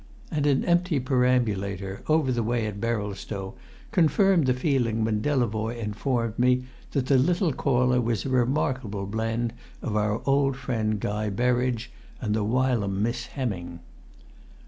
And an empty perambulator, over the way at Berylstow, confirmed the feeling when Delavoye informed me that the little caller was a remarkable blend of our old friend Guy Berridge and the whilom Miss Hemming.